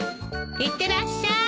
いってらっしゃい！